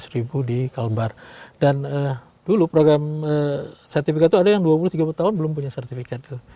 ribu di kalbar dan eh dulu program sertifikat ada yang dua puluh tiga tahun belum punya sertifikat itu